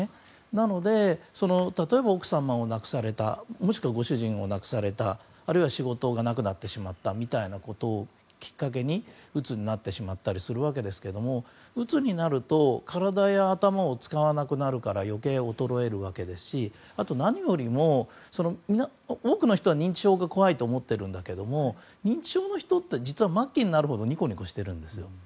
なので、例えば奥様を亡くされたもしくはご主人を亡くされたあるいは仕事がなくなってしまったということをきっかけにうつになってしまったりするわけですがうつになると体や頭を使わなくなるから余計衰えるわけですし何よりも、多くの人は認知症が怖いと思っているんだけれども認知症の人って、末期になるほどニコニコしているんですよ。